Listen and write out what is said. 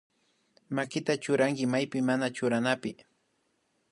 Makita churanki maypi mana churanapi